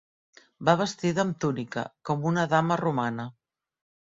Va vestida amb túnica, com una dama romana.